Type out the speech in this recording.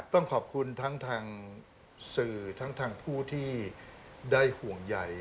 ต้องขอบคุณทั้งทางสื่อทั้งทางผู้ที่ได้ห่วงใหญ่